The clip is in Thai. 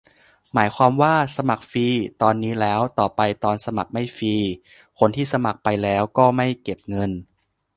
หมายความว่า สมัครฟรีตอนนี้แล้ว ต่อไปตอนสมัครไม่ฟรี คนที่สมัครไปแล้วก็ไม่เก็บเงิน ?